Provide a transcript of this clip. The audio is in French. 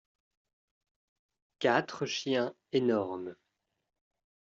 Quatre chiens énormes.